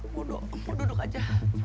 gue duduk aja